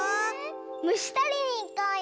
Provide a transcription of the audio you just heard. むしとりにいこうよ！